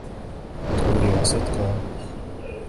تو ریاست کا۔